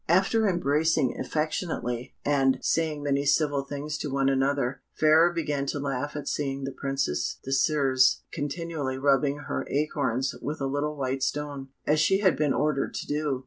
After embracing affectionately, and saying many civil things to one another, Fairer began to laugh at seeing the Princess Désirs continually rubbing her acorns with a little white stone, as she had been ordered to do.